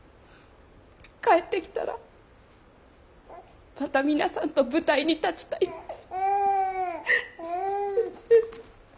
帰ってきたらまた皆さんと舞台に立ちたいって。